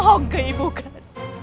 enggak ibu kan